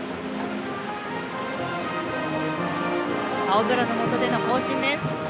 青空のもとでの行進です。